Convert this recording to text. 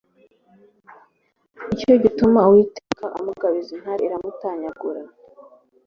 Ni cyo gitumye Uwiteka amugabiza intare iramutanyagura